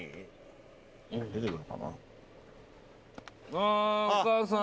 あお母さん。